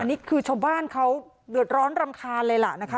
นี่คือชาวบ้านเขาเดือดร้อนรำคาญเลยล่ะนะคะ